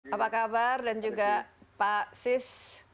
apa kabar dan juga pak sis